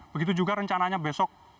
begitu juga rencananya besok